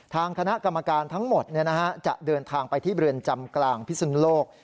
ทางคณะกรรมการทั้งหมดจะเดินทางไปที่เรือนจำกลางพิสุนโลก